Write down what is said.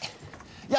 いや！